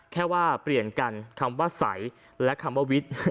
แค่ว่าเปลี่ยนกันคำว่าใสและคำว่าวิทย์